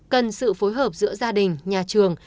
cần sự phối hợp giữa gia đình nhà trường